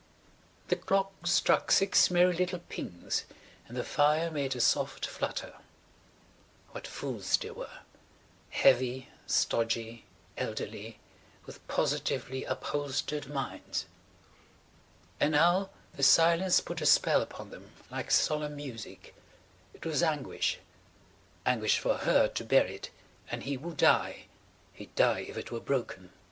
The clock struck six merry little pings and the fire made a soft flutter. What fools they were–heavy, stodgy, elderly–with positively upholstered minds. And now the silence put a spell upon them like solemn music. It was anguish–anguish for her to bear it and he would die–he'd die if it were broken. ...